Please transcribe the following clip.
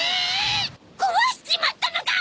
壊しちまったのか！？